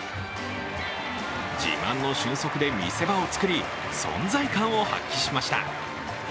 自慢の俊足で見せ場をつくり存在感を発揮しました。